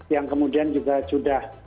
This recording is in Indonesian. yang kemudian juga sudah